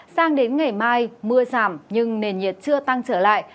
sang đến ngày mai mưa giảm nhưng nền nhiệt chưa tăng trở lại